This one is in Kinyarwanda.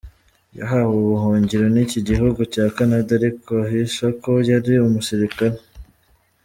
Yahawe ubuhungiro n’iki gihugu cya Canada, ariko ahisha ko yari umusirikare.